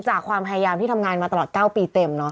ความพยายามที่ทำงานมาตลอด๙ปีเต็ม